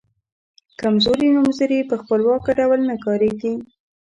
کمزوري نومځري په خپلواکه ډول نه کاریږي.